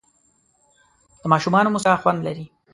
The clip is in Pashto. د ماشومانو موسکا خوند لري.